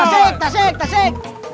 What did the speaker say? tasik tasik tasik